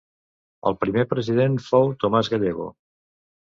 El primer president fou Tomàs Gallego.